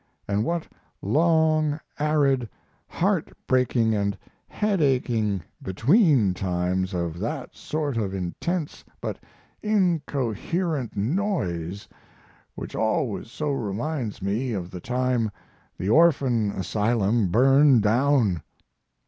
And what long, arid, heartbreaking and headaching "between times" of that sort of intense but incoherent noise which always so reminds me of the time the orphan asylum burned down.